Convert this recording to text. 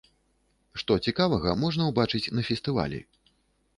Што цікавага можна ўбачыць на фестывалі?